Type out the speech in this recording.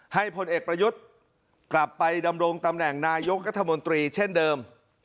พลเอกประยุทธ์กลับไปดำรงตำแหน่งนายกรัฐมนตรีเช่นเดิม